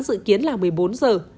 dự kiến là một mươi bốn giờ